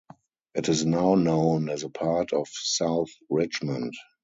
It is now known as a part of South Richmond.